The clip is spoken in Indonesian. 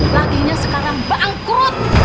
laginya sekarang bangkrut